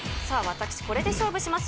私、これで勝負します。